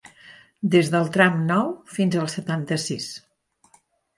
Des del tram nou fins al setanta-sis.